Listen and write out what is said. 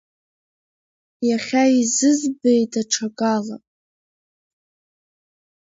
Иахьа изызбеи даҽакала!